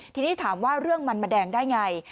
ทีนี้ถามว่าเรื่องมันมาแดงได้ไง